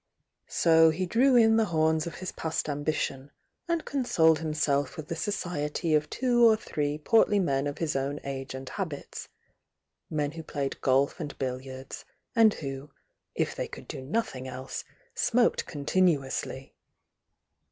So he drew in the horns of his past am bition, and consoled himself with the society of two or three portly men of his own age and habits, — men who played golf and billiards, and who, if they could do nothing else, smoked continuously.